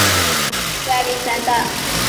出生于明尼苏达州亚历山大。